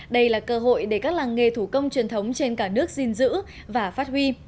đây là cơ hội để các làng nghề thủ công truyền thống trên cả nước gìn giữ và phát huy